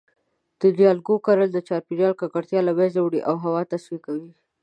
د نیالګیو کرل د چاپیریال ککړتیا له منځه وړی او هوا تصفیه کوی